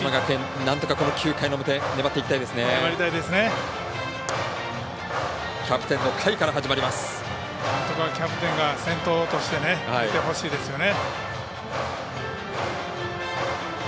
なんとかキャプテンが先頭として出てほしいですよね。